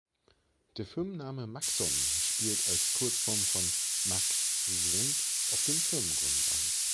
Der Firmenname "Maxon" spielt als Kurzform von "Max-Sohn" auf den Firmengründer an.